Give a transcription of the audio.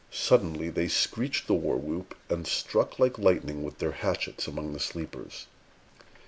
Suddenly they screeched the war whoop, and struck like lightning with their hatchets among the sleepers.